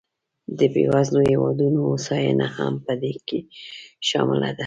د بېوزلو هېوادونو هوساینه هم په دې کې شامله ده.